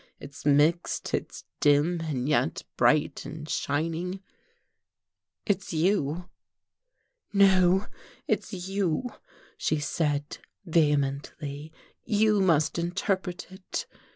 It's mixed, it's dim, and yet bright and shining it's you." "No, it's you," she said vehemently. "You must interpret it."